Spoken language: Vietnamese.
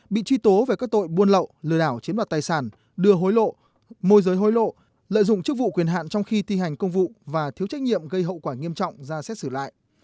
bị truy tố về các tội buôn lậu lừa đảo chiếm đoạt tài sản đưa hối lộ môi giới hối lộ lợi dụng chức vụ quyền hạn trong khi thi hành công vụ và thiếu trách nhiệm gây hậu quả nghiêm trọng ra xét xử lại